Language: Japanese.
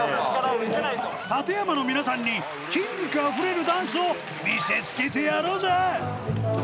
館山の皆さんに筋肉あふれるダンスを見せつけてやろうぜ！